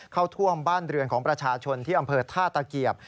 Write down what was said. เข้าท่วมบ้านเรือนของประชาชนที่อำเภอท่าตะเกียบ